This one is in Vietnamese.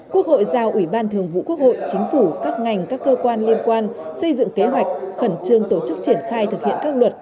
quốc hội giao ủy ban thường vụ quốc hội chính phủ các ngành các cơ quan liên quan xây dựng kế hoạch khẩn trương tổ chức triển khai thực hiện các luật